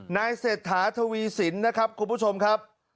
นายเศรษฐาทวีสินนะครับคุณผู้ชมครับ